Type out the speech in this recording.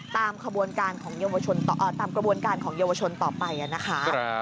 ตามกระบวนการของเยี่ยววชนต่อไปนะคะ